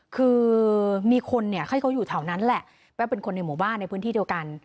คือมีคนเขาอยู่ที่แถวนั้นแหละเป็นคนในหมู่บ้านในพื้นที่เดียวกัน